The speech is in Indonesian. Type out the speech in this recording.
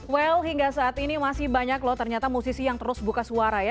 well hingga saat ini masih banyak loh ternyata musisi yang terus buka suara ya